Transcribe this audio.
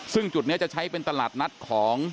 ซึ่งจุดนี้จะใช้เป็นตลาดนัดของ